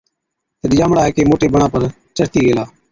تِڏ ڄامڙا هيڪي موٽي بڻا پر چڙهتِي گيلا،